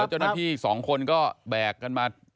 หรือที่สองคนก็แบกกันมา